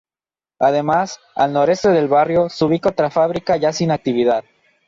Además, al noroeste del barrio se ubica otra fábrica ya sin actividad.